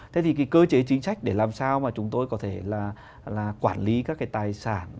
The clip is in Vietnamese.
thế thì cái cơ chế chính sách để làm sao mà chúng tôi có thể là quản lý các cái tài sản